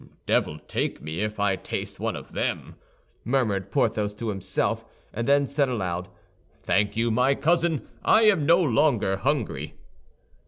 "Devil take me if I taste one of them!" murmured Porthos to himself, and then said aloud, "Thank you, my cousin, I am no longer hungry."